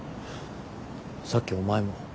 さっきお前も。